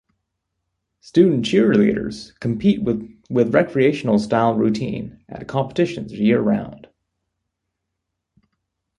Student cheerleaders compete with recreational-style routine at competitions year-round.